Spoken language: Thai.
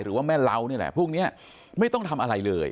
หรือว่าแม่เล้านี่แหละพวกนี้ไม่ต้องทำอะไรเลย